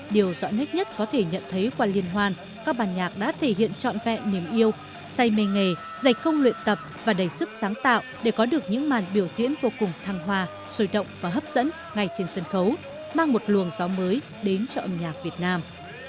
điều rõ nét nhất có thể nhận thấy qua liên hoan các bàn nhạc đã thể hiện trọn vẹn niềm yêu say mê nghề dạy không luyện tập và đầy sức sáng tạo để có được những màn biểu diễn vô cùng thăng hoa sôi động và hấp dẫn ngay trên sân khấu mang một luồng gió mới đến cho âm nhạc việt nam